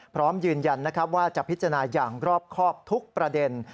พร้อมยืนยันว่าจะพิจารณาอย่างรอบครอบทุกประเด็น